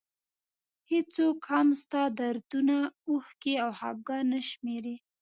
هېڅوک هم ستا دردونه اوښکې او خفګان نه شمېري.